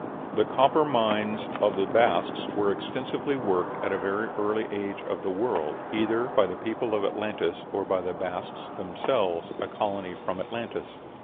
The copper mines of the Basques were extensively worked at a very early age of the world, either by the people of Atlantis or by the Basques themselves, a colony from Atlantis.